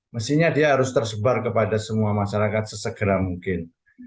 mestinya dia harus tersebar kepada semua masyarakat sesegera mungkin